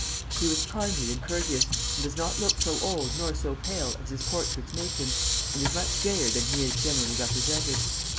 He was kindly and courteous, and does not look so old nor so pale as his portraits make him, and is much gayer than he is generally represented.